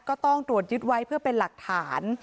ก็ต้องตรวจยึดไว้เพื่อเป็นหลักฐาน